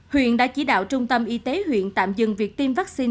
huyện đã chỉ đạo trung tâm y tế huyện tạm dừng việc tiêm vaccine